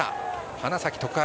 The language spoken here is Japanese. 花咲徳栄